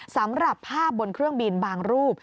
สำหรับภาพบนเครื่องบินบางรูป